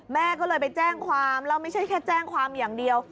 แม่ก็เลยไปแจ้งความแล้วไม่ใช่แค่แจ้งความอย่างเดียว